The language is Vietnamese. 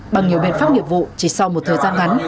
bằng nhiều biện pháp nghiệp vụ chỉ sau một thời gian ngắn